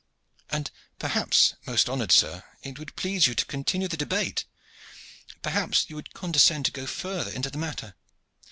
"And perhaps, most honored sir, it would please you to continue the debate. Perhaps you would condescend to go farther into the matter.